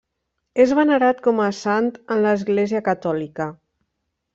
És venerat com a sant en l'Església catòlica.